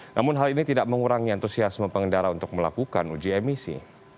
namun hal ini tidak mengurangi antusiasme pengendara untuk melakukan uji emisi